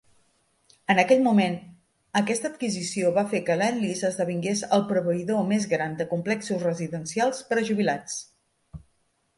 En aquell moment, aquesta adquisició va fer que Lend Lease esdevingués el proveïdor més gran de complexos residencials per a jubilats.